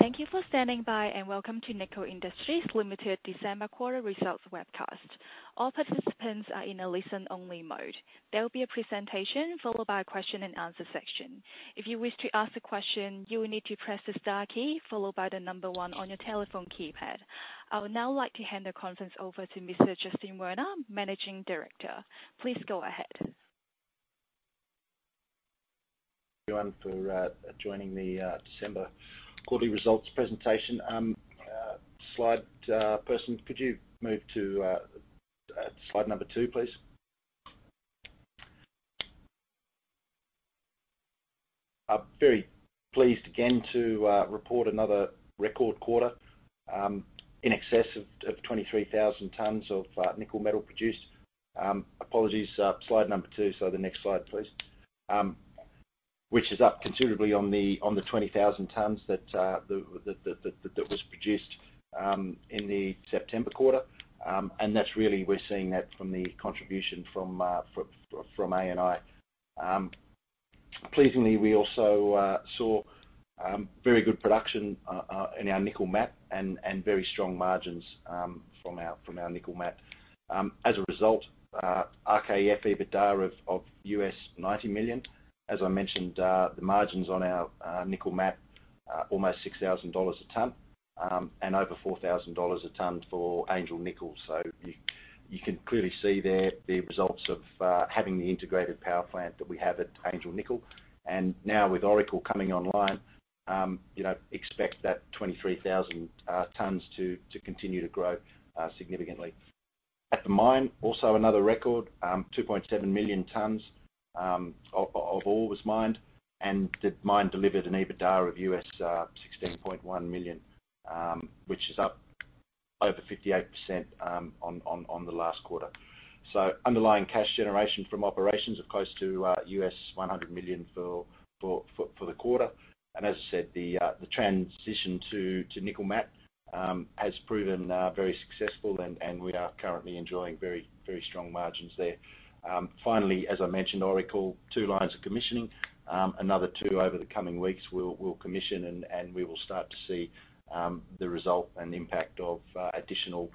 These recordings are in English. Thank you for standing by. Welcome to Nickel Industries Limited December quarter results webcast. All participants are in a listen-only mode. There will be a presentation followed by a question-and-answer section. If you wish to ask a question, you will need to press the star key followed by one on your telephone keypad. I would now like to hand the conference over to Mr. Justin Werner, Managing Director. Please go ahead. Everyone for joining the December quarterly results presentation. Slide person, could you move to slide number two, please? I'm very pleased again to report another record quarter, in excess of 23,000 tons of nickel metal produced. Apologies, slide number two, so the next slide, please. which is up considerably on the 20,000 tons that the that was produced in the September quarter. And that's really we're seeing that from the contribution from ANI. Pleasingly, we also saw very good production in our nickel matte and very strong margins from our nickel matte. As a result, RKEF EBITDA of $90 million. As I mentioned, the margins on our nickel matte almost $6,000 a ton, and over $4,000 a ton for Angel Nickel. You can clearly see there the results of having the integrated power plant that we have at Angel Nickel. Now with Oracle coming online, you know, expect that 23,000 tons to continue to grow significantly. At the mine, also another record, 2.7 million tons of ore was mined, and the mine delivered an EBITDA of $16.1 million, which is up over 58% on the last quarter. Underlying cash generation from operations of close to $100 million for the quarter. As I said, the transition to nickel matte has proven very successful and we are currently enjoying very, very strong margins there. Finally, as I mentioned, Oracle, two lines are commissioning, another two over the coming weeks we'll commission and we will start to see the result and impact of additional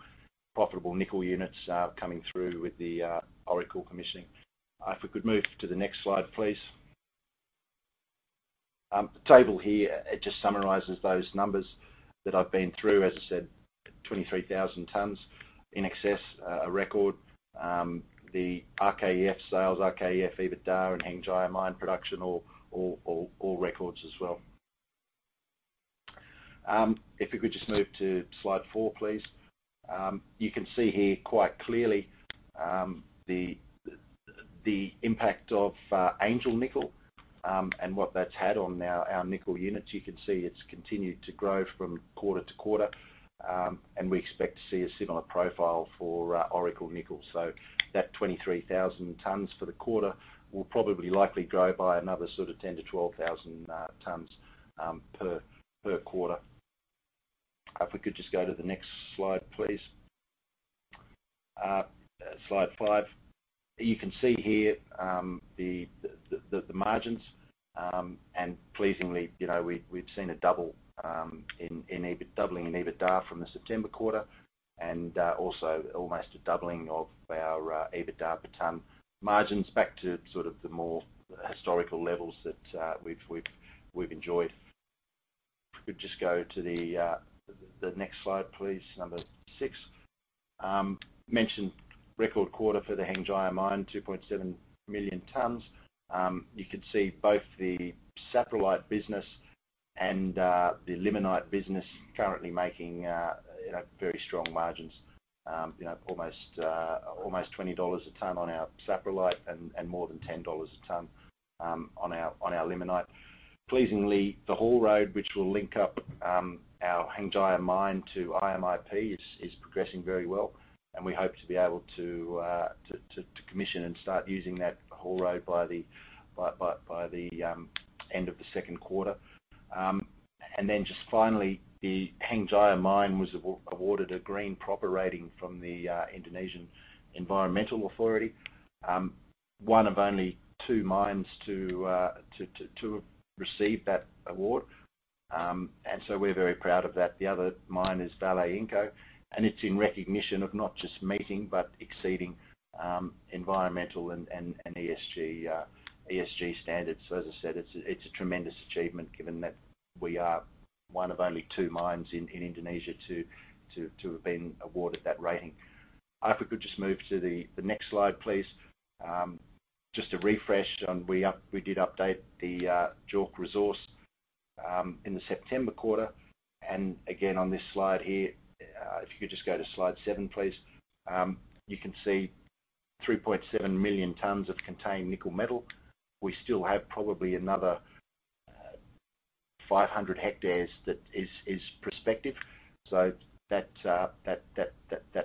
profitable nickel units coming through with the Oracle commissioning. If we could move to the next slide, please. The table here, it just summarizes those numbers that I've been through, as I said, 23,000 tons in excess, a record. The RKEF sales, RKEF EBITDA and Hengjaya mine production all records as well. If we could just move to slide four please. You can see here quite clearly, the impact of Angel Nickel, and what that's had on now our nickel units. You can see it's continued to grow from quarter-to-quarter, and we expect to see a similar profile for Oracle Nickel. That 23,000 tons for the quarter will probably likely grow by another sort of 10,000 tons-12,000 tons per quarter. If we could just go to the next slide, please. Slide five, you can see here, the margins, and pleasingly, you know, we've seen doubling in EBITDA from the September quarter and also almost a doubling of our EBITDA per ton margins back to sort of the more historical levels that we've enjoyed. If we could just go to the next slide please, number six. Mentioned record quarter for the Hengjaya mine, 2.7 million tons. You could see both the saprolite business and the limonite business currently making, you know, very strong margins, you know, almost $20 a ton on our saprolite and more than $10 a ton on our limonite. Pleasingly, the haul road, which will link up our Hengjaya mine to IMIP is progressing very well, and we hope to be able to commission and start using that haul road by the end of the second quarter. Just finally, the Hengjaya mine was awarded a Green PROPER rating from the Indonesian Environmental Authority, one of only two mines to have received that award. We're very proud of that. The other mine is Vale Inco, and it's in recognition of not just meeting, but exceeding, environmental and ESG standards. As I said, it's a tremendous achievement given that we are one of only two mines in Indonesia to have been awarded that rating. If we could just move to the next slide, please. Just to refresh on, we did update the JORC resource in the September quarter. Again, on this slide here, if you could just go to slide seven, please, you can see 3.7 million tons of contained nickel metal. We still have probably another 500 hectares that is prospective. That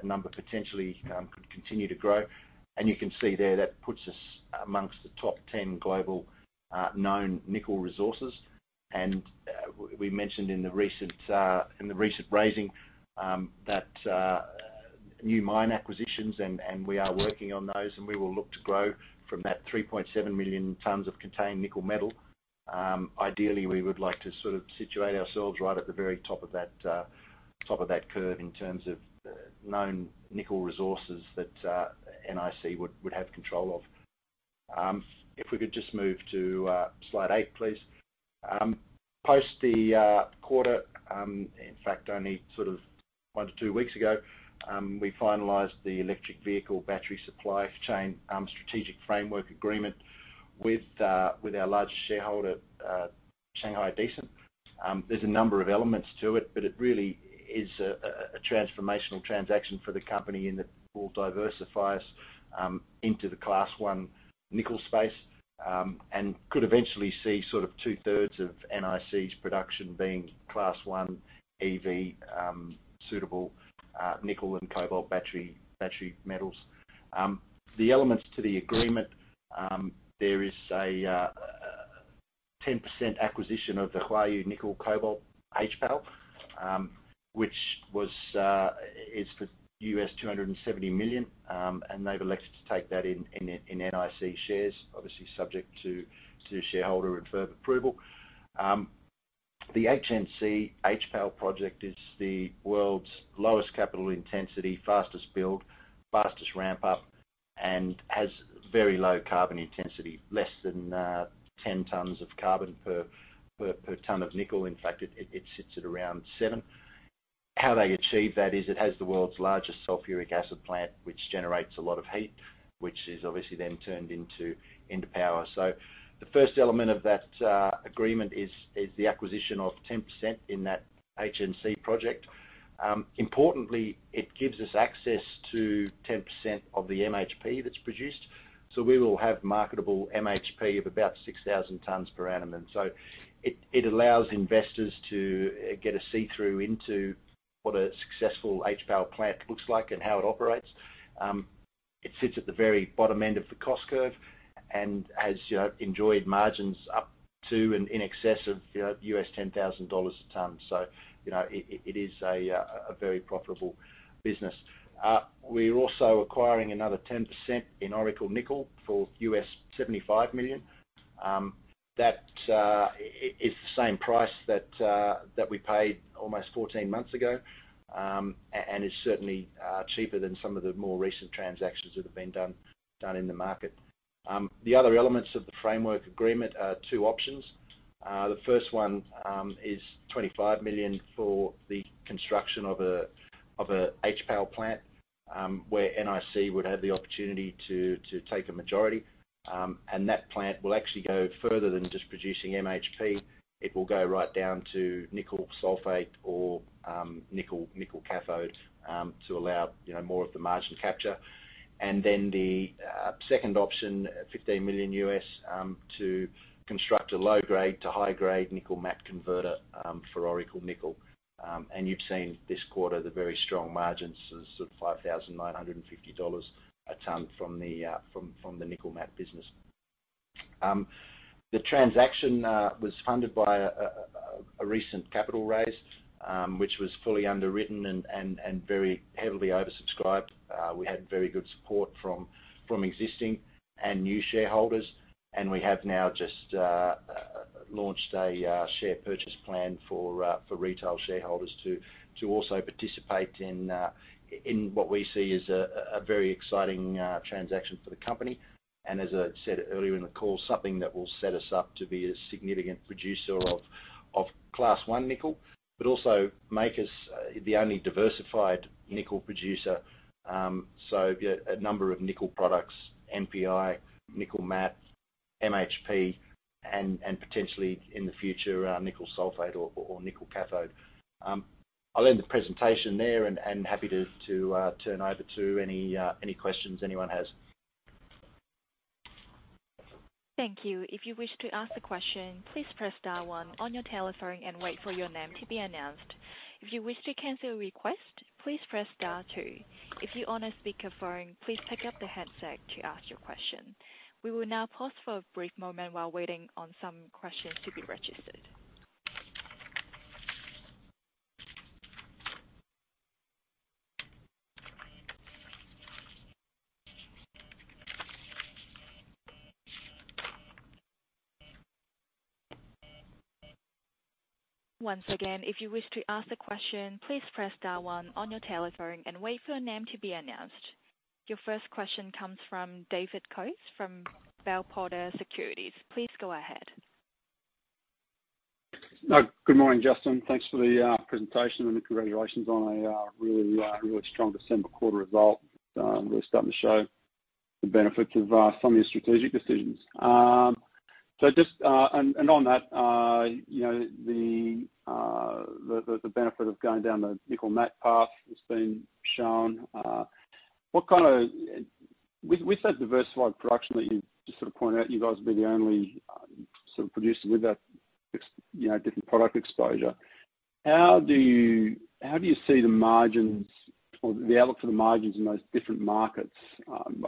number potentially could continue to grow. You can see there that puts us amongst the top 10 global known nickel resources. We mentioned in the recent raising that new mine acquisitions, and we are working on those, and we will look to grow from that 3.7 million tons of contained nickel metal. Ideally, we would like to sort of situate ourselves right at the very top of that, top of that curve in terms of known nickel resources that NIC would have control of. If we could just move to slide eight, please. Post the quarter, in fact, only sort of one to two weeks ago, we finalized the electric vehicle battery supply chain strategic framework agreement with our large shareholder, Shanghai Decent. There's a number of elements to it really is a transformational transaction for the company and it will diversify us into the class 1 nickel space. Could eventually see sort of two thirds of NIC's production being class 1 EV suitable nickel and cobalt battery metals. The elements to the agreement, there is a 10% acquisition of the Huayou Nickel Cobalt HPAL, which is for $270 million, and they've elected to take that in NIC shares, obviously subject to shareholder and further approval. The HNC HPAL project is the world's lowest capital intensity, fastest build, fastest ramp-up, and has very low carbon intensity, less than 10 tons of carbon per ton of nickel. In fact, it sits at around seven. How they achieve that is it has the world's largest sulfuric acid plant, which generates a lot of heat, which is obviously then turned into power. The first element of that agreement is the acquisition of 10% in that HNC project. Importantly, it gives us access to 10% of the MHP that's produced, so we will have marketable MHP of about 6,000 tons per annum. It allows investors to get a see-through into what a successful HPAL plant looks like and how it operates. It sits at the very bottom end of the cost curve and has, you know, enjoyed margins up to and in excess of $10,000 a ton. You know, it is a very profitable business. We're also acquiring another 10% in Oracle Nickel for $75 million. That is the same price that we paid almost 14 months ago and is certainly cheaper than some of the more recent transactions that have been done in the market. The other elements of the framework agreement are 2 options. The first one is $25 million for the construction of a HPAL plant where NIC would have the opportunity to take a majority. That plant will actually go further than just producing MHP. It will go right down to nickel sulfate or nickel cathode to allow, you know, more of the margin capture. The second option, $15 million, to construct a low-grade to high-grade nickel matte converter for Oracle Nickel. You've seen this quarter the very strong margins of sort of $5,950 a ton from the nickel matte business. The transaction was funded by a recent capital raise, which was fully underwritten and very heavily oversubscribed. We had very good support from existing and new shareholders, and we have now just launched a share purchase plan for retail shareholders to also participate in what we see as a very exciting transaction for the company. As I said earlier in the call, something that will set us up to be a significant producer of class 1 nickel, but also make us the only diversified nickel producer. A number of nickel products, NPI, nickel matte, MHP, and potentially in the future, nickel sulfate or nickel cathode. I'll end the presentation there and happy to turn over to any questions anyone has. Thank you. If you wish to ask the question, please press star one on your telephone and wait for your name to be announced. If you wish to cancel a request, please press star two. If you're on a speakerphone, please pick up the handset to ask your question. We will now pause for a brief moment while waiting on some questions to be registered. Once again, if you wish to ask the question, please press star one on your telephone and wait for your name to be announced. Your first question comes from David Coates from Bell Potter Securities. Please go ahead. Good morning, Justin. Thanks for the presentation, and congratulations on a really, really strong December quarter result. Really starting to show the benefits of some of your strategic decisions. Just, and on that, you know, the benefit of going down the nickel matte path has been shown. With that diversified production that you just sort of pointed out, you guys will be the only sort of producer with that you know, different product exposure. How do you, how do you see the margins or the outlook for the margins in those different markets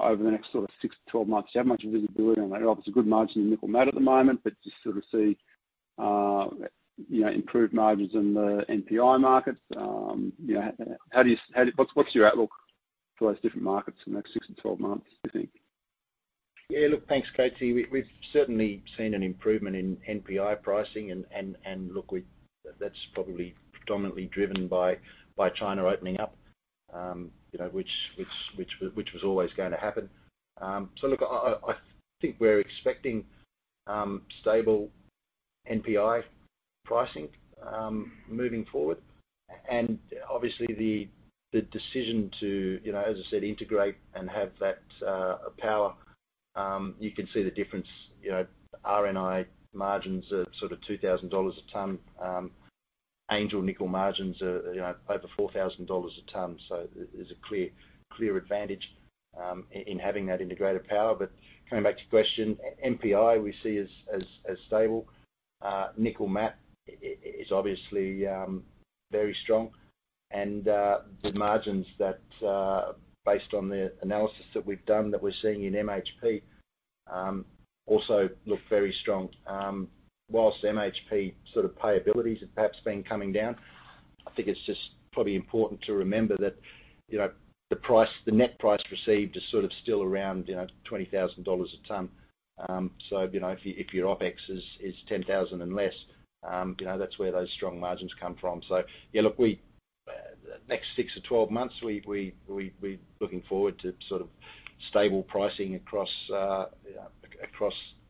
over the next six to 12 months? Do you have much visibility on that? Obviously, good margin in nickel matte at the moment, but just sort of see. You know, improved margins in the NPI markets. You know, what's your outlook for those different markets in the next six to 12 months, do you think? Thanks, Coates. We've certainly seen an improvement in NPI pricing and look, that's probably predominantly driven by China opening up, you know, which was always gonna happen. Look, I think we're expecting stable NPI pricing moving forward. Obviously the decision to, you know, as I said, integrate and have that power, you can see the difference, you know, HNI margins are sort of $2,000 a ton. Angel Nickel margins are, you know, over $4,000 a ton. There's a clear advantage in having that integrated power. Coming back to your question, NPI, we see as stable. Nickel matte is obviously very strong. The margins that, based on the analysis that we've done, that we're seeing in MHP also look very strong. Whilst MHP sort of payability has perhaps been coming down, I think it's just probably important to remember that, you know, the price, the net price received is sort of still around, you know, $20,000 a ton. You know, if your OpEx is $10,000 and less, you know, that's where those strong margins come from. The next six to 12 months, we looking forward to sort of stable pricing across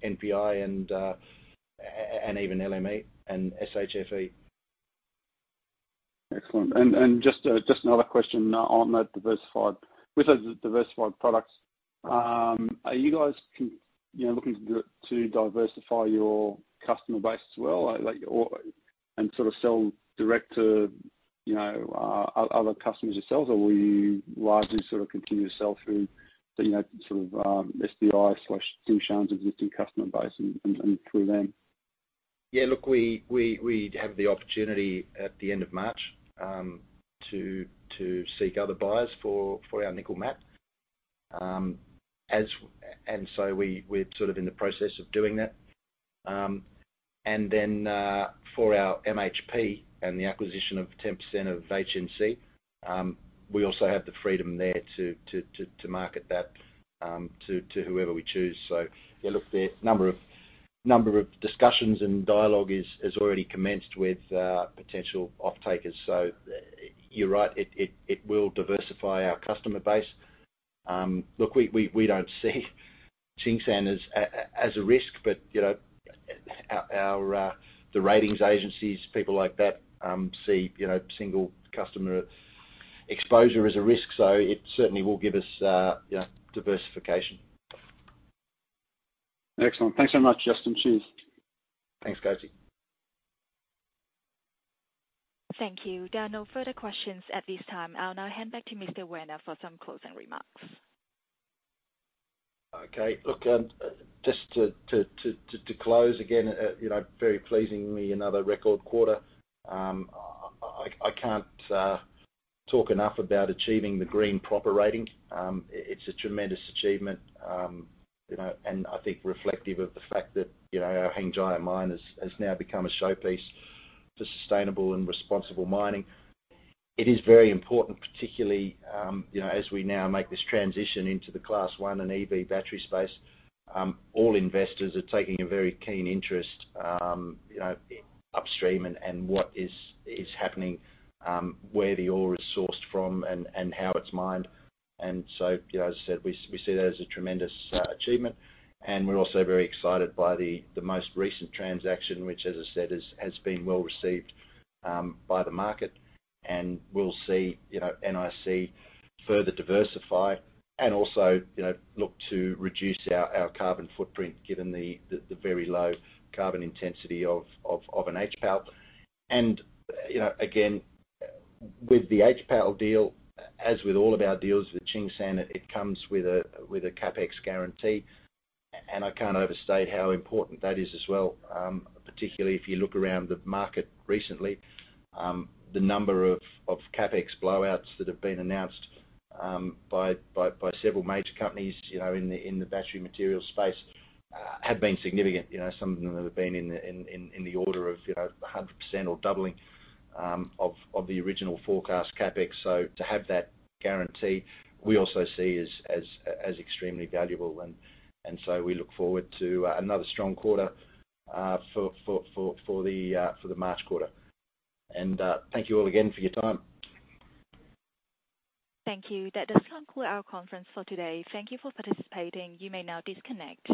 NPI and even LME and SHFE. Excellent. Just another question on that diversified with those diversified products, are you guys, you know, looking to diversify your customer base as well? Like or sort of sell direct to, you know, other customers yourselves? Or will you largely sort of continue to sell through the, you know, sort of, SBI/Tsingshan's existing customer base and through them? Look, we have the opportunity at the end of March to seek other buyers for our nickel matte. We're sort of in the process of doing that. For our MHP and the acquisition of 10% of HNC, we also have the freedom there to market that to whoever we choose. Yeah, look, the number of discussions and dialogue is, has already commenced with potential offtakers. You're right, it will diversify our customer base. Look, we don't see Tsingshan as a risk, but, you know, the ratings agencies, people like that, see, you know, single customer exposure as a risk. It certainly will give us, you know, diversification. Excellent. Thanks so much Justin. Cheers. Thanks Coates. Thank you. There are no further questions at this time. I'll now hand back to Mr. Werner for some closing remarks. Look, just to close again, you know, very pleasingly another record quarter. I can't talk enough about achieving the Green PROPER rating. It's a tremendous achievement, you know, and I think reflective of the fact that our Hengjaya mine has now become a showpiece to sustainable and responsible mining. It is very important, particularly, you know, as we now make this transition into the class 1 and EV battery space, all investors are taking a very keen interest in upstream and what is happening, where the ore is sourced from and how it's mined. As I said, we see that as a tremendous achievement. We're also very excited by the most recent transaction, which as I said, has been well received by the market. We'll see, you know, NIC further diversify and also, you know, look to reduce our carbon footprint given the very low carbon intensity of an HPAL. With the HPAL deal, as with all of our deals with Tsingshan, it comes with a CapEx guarantee. I can't overstate how important that is as well, particularly if you look around the market recently, the number of CapEx blowouts that have been announced by several major companies, you know, in the battery material space, have been significant. You know, some of them have been in the order of, you know, 100% or doubling of the original forecast CapEx. To have that guarantee, we also see as extremely valuable. We look forward to another strong quarter for the March quarter. Thank you all again for your time. Thank you. That does now conclude our conference for today. Thank you for participating. You may now disconnect.